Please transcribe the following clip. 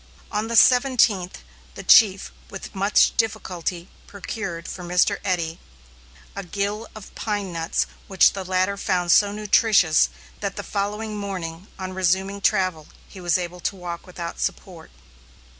On the seventeenth, the chief with much difficulty procured, for Mr. Eddy, a gill of pine nuts which the latter found so nutritious that the following morning, on resuming travel, he was able to walk without support.